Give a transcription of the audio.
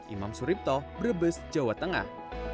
imam suripto brebes jawa tengah